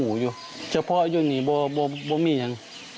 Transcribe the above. แม่ว่าจะเป็นชาวบ้าน